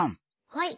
はい。